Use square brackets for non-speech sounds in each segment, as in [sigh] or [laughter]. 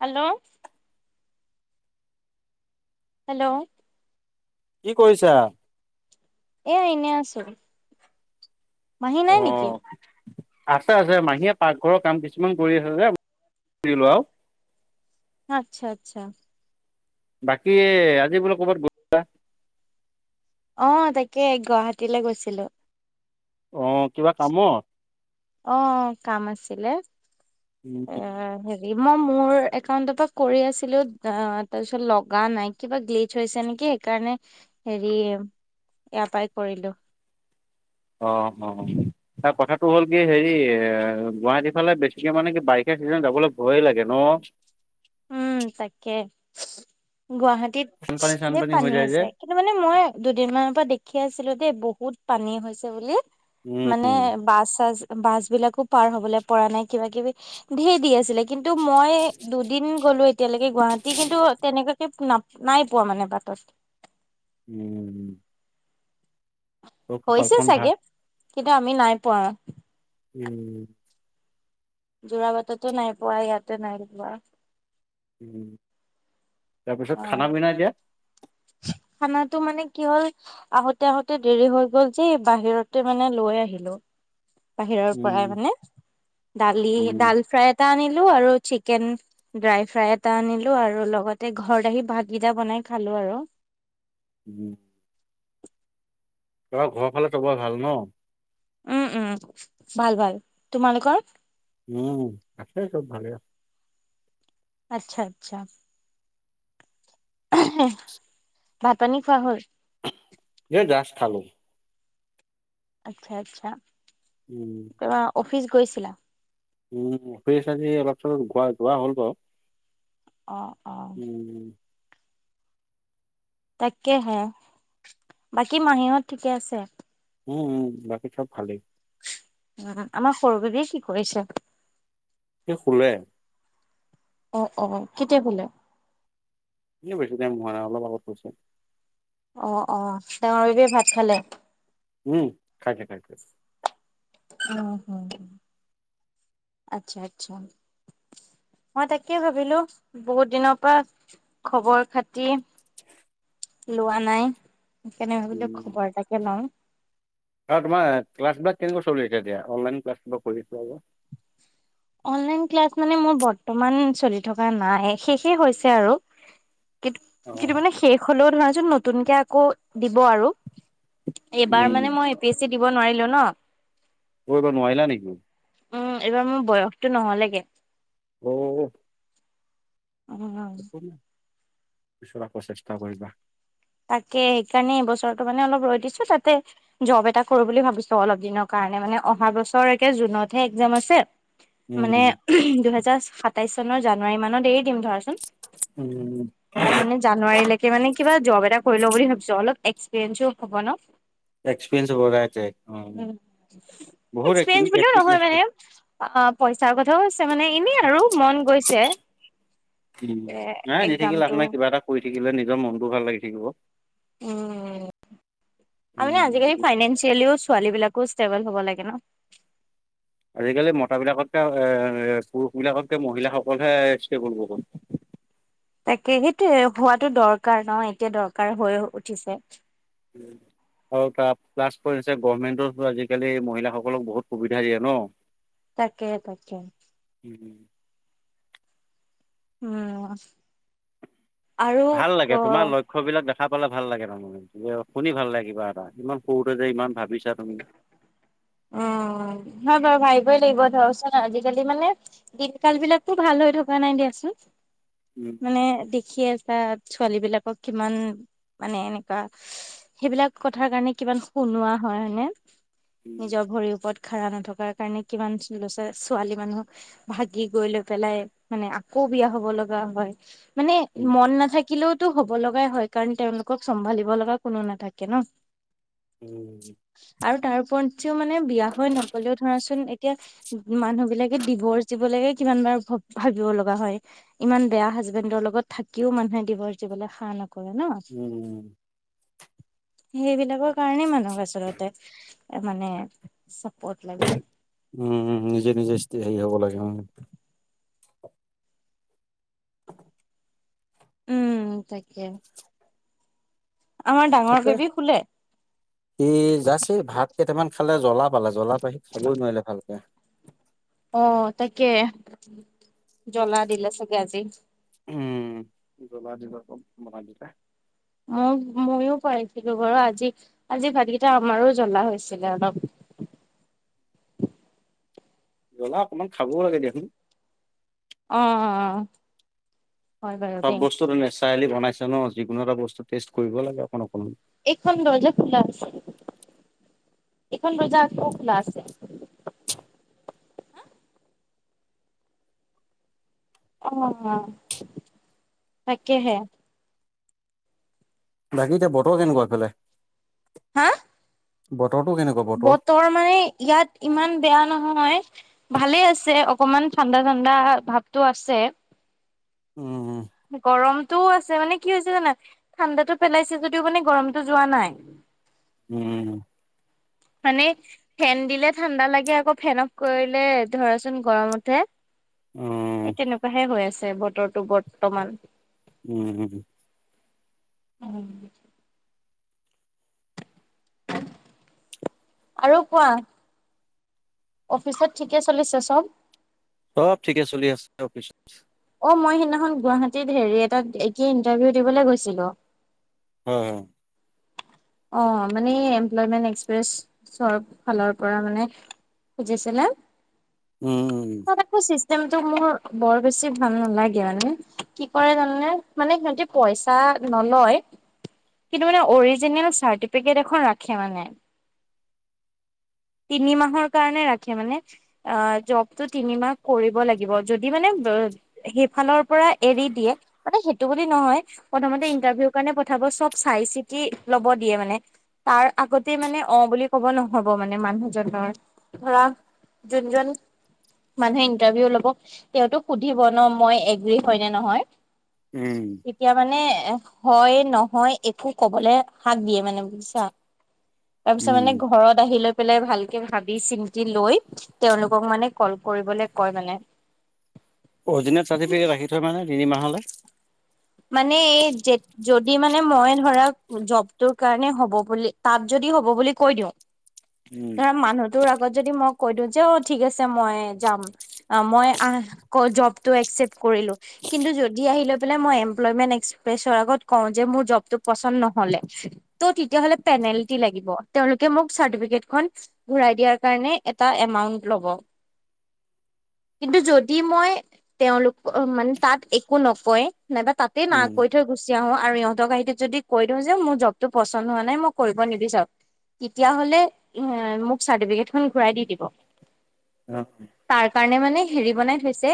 Hello hello কি কৰিছা? এ এনেই আছো। মাহী নাই নেকি? অঁ' আছে আছে মাহীয়ে পাকঘৰৰ কাম কিছুমান কৰি আছে যে, কৰিলো আৰু। অ আৎচ্ছা আৎচ্ছা। বাকী আজি বোলে ক'ৰবাত গ- অঁ তাকে গুৱাহাটীলে গৈছিলো। অঁ কিবা কামত? অঁ অঁ, কাম আছিলে। এ হেৰী' এই মই মোৰ একাউণ্টৰ পৰা কৰি আছিলো অ' তাৰপিছত লগা নাই কিবা গ্লিটচ হৈছে নেকি। সেইকাৰণে হেৰি ইয়াৰ পৰাই কৰিলো। অ' অ অ। অ কথাটো হ'ল কি হেৰি এ গুৱাহাটী ফালে বেছিকে মানে কি বাৰিষা কেইদিনত যাবলে ভয়ে লাগে ন'। উম তাকে গুৱাহাটীত বানপানী ধেই চানপানী হৈ পানী যায় যে। হৈছে। কিন্তু মানে মই দুদিনমানৰ পৰা দেখি আছিলো দেই বহুত পানী হৈছে বুলি! উম। মানে বাছ-চাছ বাছ বিলাকো পাৰ হবলে পৰা নাই কিবা কিবি। ধেই দি আছিলে কিন্তু মই দু- দিন গ'লো এতিয়ালৈকে গুৱাহাটী কিন্তু তেনেকুৱাকে নাপ নাই পোৱা মানে বাটত। হু হু হু। হৈছে কপালখন ভাল। চাগে কিন্তু আমি নাই পোৱা। উম উম। যোৰাবাটতো নাই পোৱা ইয়াতো নাই পোৱা। ওম, অ তাৰপিছত খানা-পিনা এতিয়া? খানাটো মানে কি হ'ল- আহোতে আহোতে দেৰি হৈ গল যে এই বাহিৰতে মানে লৈ আহিলো। বাহিৰৰ উম, পৰাই মানে, দালি উম, দাল ফ্ৰাই এটা আনিলো আৰু চিকেন। ড্ৰাই ফ্ৰাই এটা আনিলো আৰু লগতে ঘৰত আহি ভাতকিটা বনাই খালো আৰু। উম। তোমাৰ ঘৰৰ ফালে চবৰে ভাল ন'? উম উম, ভাল ভাল তোমালোকৰ? উম, আছে চব ভালে আছে। আচ্ছা আচ্ছা। ভাত পানী খোৱা হ'ল? এই জাষ্ট খালো। আচ্ছা আচ্ছা। উম। তোমাৰ অফিচ গৈছিলা? উম অফিচ আজি অলপ-চলপ গোৱা যোৱা হ'ল বাৰু। অ'-অ'। উম। তাকেহে বাকী মাহীহঁত ঠিকে আছে? উম উম বাকী চব ভালেই। উম আমাৰ সৰু বেবীয়ে কি কৰিছে? সি শুলে। অ'- অ' কেতিয়া শুলে? এ বেছি টাইম হোৱা নাই অলপ আগত শুইছে। অ অ ডাঙৰ বেবিয়ে ভাত খালে? উম খাইছে খাইছে। উম হম হম আচ্ছা আচ্ছা। মই তাকেই ভাবিলো বহুত দিনৰ পৰা খবৰ খাতি- [unintelligible] লোৱা নাই, সেইকাৰণে ভাবিলো উম, খবৰ এটাকে ল‌ও। আৰু তোমাৰ ক্লাছবিলাক কেনেকুৱা চলি আছে এতিয়া অনলাইন ক্লাছা কিবা কৰি আছিলা যে? অনলাইন ক্লাছ মানে মোৰ বৰ্তমান চলি থকা নাই, শেষে হৈছে আৰু। কিন্তু অ'। মানে শেষ হলেও ধৰা যেন নতুনকে আকৌ দিব আৰু। এইবাৰ উম, মানে মই এ পি এছ চি দিব নোৱাৰিলো ন। অ এইবাৰ নোৱাৰিলা নে? উম এইবাৰ মোৰ বয়সতো নহলেগে। অ'। উম পিছত আকৌ চেষ্টা কৰিবা। তাকে সেইকাৰণে এইবছৰটো মানে অলপ ৰৈ দিছো। তাতে জব এটা কৰো বুলি ভাবিছো অলপ দিনৰ কাৰণে মানে অহা বছৰে জুনতহে এক্জাম আছে। মানে উম, দুহেজাৰ সাতাইশ চনৰ জানুৱাৰী মানত এৰি দিম ধৰাচোন। উম। মানে জানুৱাৰীলৈকে মানে কিবা জব এটা কৰি লও বুলি ভাবিছো অলপ এক্সপেৰিয়েন্সো হ'ব ন। এক্সপিৰিয়েঞ্চ হ'ব লাগে। যে। অ', বহুত এক্টিভ এক্সপেৰিয়েন্স বুলিও নহয় এক্টিভনেছ মানে। আ পইচাৰ কথাও আছে মানে, এনেই আৰু মন গৈছে। উম এ নাই এনে থাকি লাভ এক্জামটো নাই কিবা এটা কৰি থাকিলে নিজৰ মনটো ভাল লাগি থাকিব। উম আৰু মানে উম। আজিকালি ফাইনেসিয়েলিও ছোৱালী বিলাকো ষ্টেবল হ'ব লাগে ন। আজিকালি মতাবিলাকতকে এ পুৰুষ বিলাকতকে মহিলাসকললেহে ষ্টেবল বহুত। তাকে সেইটো হোৱাতো দৰকাৰ ন এতিয়া দৰকাৰ হৈ উঠিছে উম আৰু তাৰ প্লাছ পইণ্ট গভমেণ্টৰ আজিকালি মহিলাসকলক বহুত সুবিধা দিয়ে ন? তাকে তাকে। উম উম আৰু ভাল ক লাগে। তোমাৰ ল ক্ষ্য বিলাক দেখা পালে ভাল লাগে তাৰমানে, শুনি ভাল লাগে কিবা এটা, ইমান সৰুতে যে ইমান ভাবিছা তুমি। উম [inaudible] হয় বাৰু ভাবিবই লাগিব ধৰচোন আজিকালি মানে দিনকাল বিলাকো ভাল হৈ থকা নাই দিয়াচোন। উম মানে দেখি আছা ছোৱালী বিলাকক কিমান মানে এনেকুৱা সেইবিলাক কথাৰ কাৰণে কিমান শুনোৱা হয় হয় নে? নিজৰ ভৰিৰ ওপৰত খাৰা নথকাৰ কাৰণে কিমান ছো ছোৱালী মানুহক ভাগি গৈ লৈ পেলাই মানে আকৌ বিয়া হ'ব লগা হয়, মানে উম মন নাথাকিলেও টো হ'ব লগাই হয় কাৰণ, তেওঁলোকক চম্ভালিব লগা কোনো নাথাকে ন। উম আৰু তাৰ ওপৰত যেও মানে বিয়া হৈ নাপলেও ধৰাচোন এতিয়া মানুহ বিলাকে ডিভৰ্চ দিব লৈকে কিমান বাৰ ভাবিব লগা হয়। ইমান বেয়া হাজবেণ্ডৰ লগত থাকিও মানুহে দিবৰ যিবলৈ সা ন কৰে ন, উম সেইবিলাকৰ কাৰণেই মানুহ আচলতে মানে চাপোৰ্ট লাগে। উমম নিজে নিজে হেৰি হ'ব লাগে উম। [inaudible] উম তাকে। আমাৰ ডাঙৰ বেবি শুলে? এ জাষ্ট এই ভাত কেইটামান খালে জ্বলা পালে জ্বলা পাহি খাবই নোৱাৰিলে ভালকে। অ', তাকে, জ্বলা দিলে চাগে আজি? উম, জ্বলা [unintelligible] মই-মইও পাইছিলো বাৰু আজি, আজি ভাতকেইটা আমাৰো জ্বলা হৈছিলে অলপ। জ্বলা অকমান খাবও লাগে দিয়াচোন। অ', অ', অ'। চব বস্তুটো নেচাৰেলি বনাইছে নহ, যিকোনো এটা বস্তু টেষ্ট কৰিব লাগে অকণ অকণ। এইখন দৰ্জা খোলা আছে, এইখন দৰ্জা আকৌ খোলা আছে। অ', তাকেহে। বাকী এতিয়া বতৰ কেনেকুৱা এইফালে? হা? বতৰটো কেনেকুৱা? বতৰ মানে, ইয়াত ইমান বেয়া নহয়। ভালেই আছে, অকমান ঠাণ্ডা-ঠাণ্ডা ভাৱটো আছে। উম গৰম টোও আছে, মানে কি হৈছে জানা ঠাণ্ডাটো পেলাইছে যদিও মানে গৰমটো যোৱা নাই। উম। মানে ফেন দিলে ঠাণ্ডা লাগে, আকৌ ফেন অফ কৰিলে ধৰাচোন গৰমতে উম। এই তেনেকুৱাহে হৈ আছে, বতৰৰটো বৰ্তমান। উম। [unintelligible] আৰু কোৱা? অফিচত ঠিকে চলিছে চব? চব ঠিকে চলি আছে অফিচত। অ', মই সিদিনাখন গুৱাহাটীত হেৰি এটা [unintelligible] ইন্টাৰভিউ দিবলে গৈছিলোঁ। হয়, হয়। অ', মানে এমপ্লয়মেন্ট এক্সপ্ৰেছৰ ফালৰ পৰা মানে খুজিছিলে। উম। [unintelligible] চিষ্টেমটো মোৰ বৰ বেছি ভাল নালাগে মানে, কি কৰে জানানে? মানে সিহঁতি পইচা নলয়, কিন্তু মানে অৰিজিনেল চাৰ্টিফিকেট এখন ৰাখে মানে। [inaudible] তিনি মাহৰ কাৰণে ৰাখে মানে। অ', জবটো তিনিমাহ কৰিব লাগিব, যদি মানে সেইফালৰ পৰা এৰি দিয়ে, মানে সেইটো বুলি নহয় প্ৰথমতে ইন্টাৰভিউৰ কাৰণে পঠাব, চব চাই চিতি ল'ব দিয়ে মানে। তাৰ আগতে মানে, অ' বুলি ক'ব নহ'ব মানে মানুহজনৰ। ধৰা জোনজন মানুহে ইণ্টাৰভিউ ল'বক, তেওঁতো সুধিব নহ মই এগ্ৰী হয়নে নহয়? উম। তেতিয়া মানে হয়-নহয় একো ক'বলে হাক দিয়ে মানে বুজিছাঁ? তাৰপিছত উম মানে ঘৰত আহি লৈ পেলাই ভালকে ভাবি চিন্তি লৈ, তেওঁলোকক মানে কল কৰিবলে কয় মানে। তই মানে তিনিমাহলৈ- মানে এই যে- যদি মানে মই ধৰা জবটোৰ কাৰণে হ'ব বুলি তা'ত যদি হ'ব বুলি কৈ দিওঁ। উম। মানুহ তোৰ আগত যদি মই কৈ দিওঁ যে, অঁহ', ঠিক আছে মই যাম। মই আঁহ গৈ জবটো একচেপ্ট কৰিলোঁ, কিন্ত যদি আহি লৈ পেলাই এম- মই [inaudible] আগত কওঁ যে মোৰ জবটো পছন নহ'লে। ত' তেতিয়াহ'লে পেনাল্টি লাগিব। তেওঁলোকে মোক চাৰ্টিফিকেট খন- ঘুৰাই দিয়াৰ কাৰণে এটা এমাউন্ট ল'ব। কিন্তু যদি মই তেওঁলোকে মানে তা'ত একো নকয় নাইবা তা'ত- তে না উম কৈ থৈ গৈ- গুচি আহো আৰু। ইহঁতক আহি দি কৈ দিওঁ যে মোৰ জবটো পচন্দ হোৱা নাই মই কৰিব নিবিচাৰো। চাওক- তেতিয়া হ'লে মোক চাৰ্টিফিকেটখন ঘূৰাই দি দিব। অহ। তাৰ কাৰণে মানে হেৰি বনাই থৈছে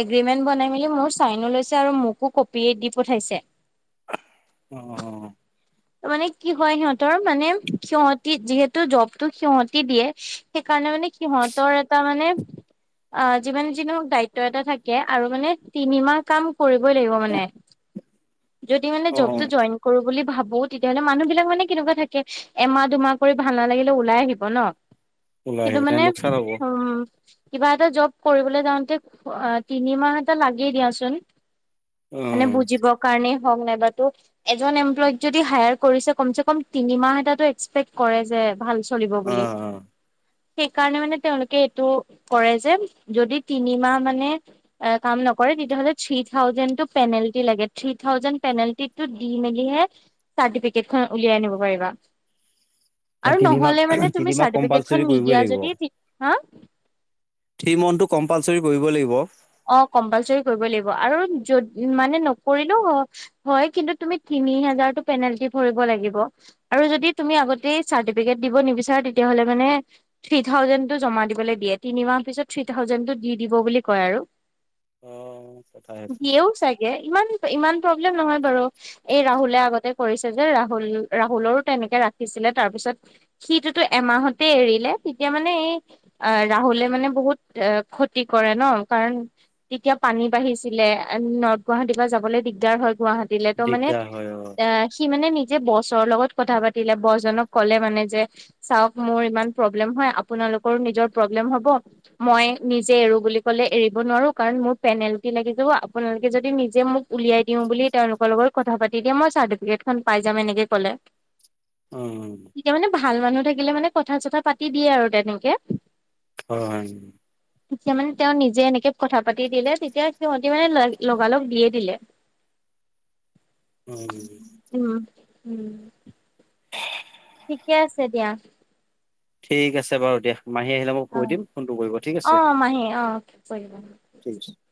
এগ্ৰিমেন্ট বনাই মেলি মোৰ চাইনো লৈছে আৰু মোকো- দি পঠাইছে। অ-অ। মানে কি হয় সিহঁতৰ মানে সিহঁতি যিহেতু জবতো সিহঁতি দিয়ে- সেইকাৰণে মানে সিহঁতৰ এটা মানে- আহঁ যিমান যি নহওঁক দায়িত্ব এটা থাকে আৰু মানে তিনিমাহ কাম কৰিবই লাগিব মানে। যদি মানে অ অ জবটো জইন কৰো বুলি ভাবোঁ- তেতিয়াহ'লে মানুহ বিলাক মানে কেনেকুৱা থাকে, এমাহ, দুমাহ কৰি ভাল নালাগিলে ওলাই আহিব ন। ওলাই কিন্ত আহিব তেনে মানে লোকচান হ'ব উমঁ- কিবা এটা জব কৰিবলৈ যাওঁতে তিনিমাহ এটা লাগেই দিয়াচোন। মানে উম বুজিবৰ কাৰণেই হওঁক, নাইবাতো- এজন এমপ্লয়ক যদি হায়াৰ কৰি কম চকম তিনি মাহ এটাতো এক্সপেক্ট কৰে যে, ভালকে- চলিব অ বুলি। সেইকাৰণে মানে তেওঁলোকে এইটো কৰে যে যদি তিনি মাহ মানে- কাম নকৰে, তেতিয়াহ'লে থ্ৰী থাউজেণ্ড- পেনাল্টি লাগে। থি থাউজেণ্ড পেনাল্টিটো দি মেলি'হে- চাৰ্টিফিকেটখন উলিয়াই আনিব পাৰিবা। অ আৰু তিনিমাহ নহ'লে মানে তুমি তিনিমাহ কম্পালচৰি চাৰ্টিফিকেটখন কৰিবই নিদিয়া লাগিব যদি, হাঁ? থ্ৰী মাউন্ট তো কম্পালচৰি কৰিব লাগিব। অঁহ', -কম্পালচৰি কৰিব লাগিব। আৰু যদি মানে নকৰিলেও- হয়, কিন্তু তুমি তিনি হাজাৰটো পেনাল্টি ভৰিব লাগিব। আৰু যদি তুমি আগতেই চাৰ্টিফিকেট দিব নিবিচাৰা তেতিয়া হ'লে মানে থ্ৰী থাউজেণ্ডটো জমা দিবলৈ দিয়ে। তিনিমাহৰ পিছত থ্ৰী থাউজেণ্ড টো দি দিব বুলি কয় আৰু। অঁহ দিয়েও চাগে, ইমান-ইমান প্ৰব্লেম নহয় বাৰু। এই ৰাহুলে আগতে কৰিছে যে ৰাহুল-ৰাহুলৰো তেনেকে ৰাখিছিলে, তাৰপিছত- সিটোতো এমাহতে এৰিলে। তেতিয়া মানে এই আঁহ', ৰাহুলে মানে বহুত ক্ষতি কৰে ন, কাৰণ- তেতিয়া পানী বাঢ়িছিলে নৰ্থ গুৱাহাটীৰ পৰা যাবলৈ দিগদাৰ হয় গুৱাহাটী- দিলে তো মানে দিগদাৰ হয় অ', আঁহ', সি মানে নি- যে বছৰ লগত কথা পাতিলে। বছ জনক ক'লে মানে যে চাওঁক মোৰ ইমান প্ৰব্লেম হয়, আপোনালোকৰো নিজৰ প্ৰব্লেম হ'ব মই নিজে এৰো বুলি ক'লে এৰিব নোৱাৰো কাৰণ মোৰ পেনাল্টি লাগি যাব, আপোনালোকে যদি নিজে মোক উলিয়াই দিওঁ বুলি তেওঁলোকৰ লগত কথা পাতি দিয়ে, মই চাৰ্টিফিকেটখন পাই যাম এনেকে ক'লে। অ' এতিয়া মানে ভাল মানুহ থাকিলে মানে কথা চথা পাতি দিয়ে আৰু তেনেকে। [unintelligible] এতিয়া মানে তেওঁ নিজে এনেকে কথা পাতি দিলে তেতিয়া সিহঁতি মানে লৈ লগালগ দিয়ে দিলে। উম। হুম। ঠিকে আছে দিয়া। ঠিক আছে বাৰু দিয়া, মাহী আহিলে মই অ কৈ দিম ফোনটো কৰিব, ঠিক অ আছে। মাহী অ কৰিবা ঠিক আছে।